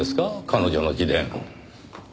彼女の自伝。